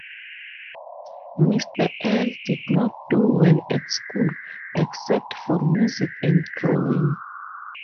Mr L did not do well at school - except for music and drawing.